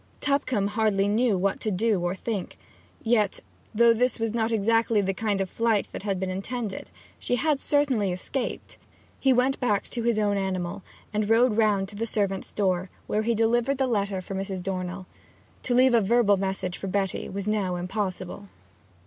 Tupcombe hardly knew what to do or think; yet, though this was not exactly the kind of flight that had been intended, she had certainly escaped. He went back to his own animal, and rode round to the servants' door, where he delivered the letter for Mrs. Dornell. To leave a verbal message for Betty was now impossible.